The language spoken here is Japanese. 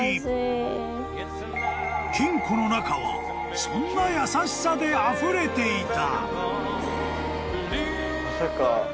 ［金庫の中はそんな優しさであふれていた］